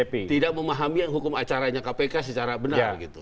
tidak memahami hukum acaranya kpk secara benar gitu